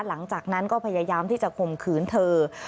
หลังจากนั้นก็พยายามที่จะข่มขืนเธอ